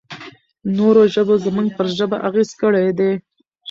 نورو ژبو زموږ پر ژبه اغېز کړی دی.